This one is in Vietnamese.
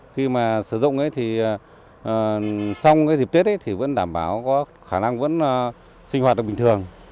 khi mà sử dụng ấy thì xong cái dịp tết thì vẫn đảm bảo có khả năng vẫn sinh hoạt là bình thường